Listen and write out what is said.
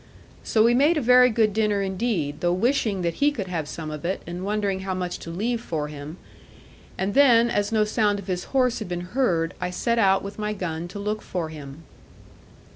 So we made a very good dinner indeed, though wishing that he could have some of it, and wondering how much to leave for him; and then, as no sound of his horse had been heard, I set out with my gun to look for him.